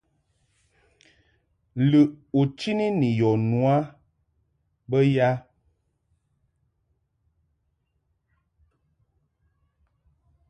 Lɨʼ u chini ni yɔ nu a bə ya ?